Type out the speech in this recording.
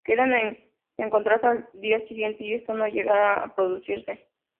Quedan en encontrarse al día siguiente y esto no llega a producirse.